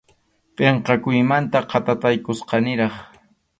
Pʼinqakuymanta khatatataykuchkaniraq.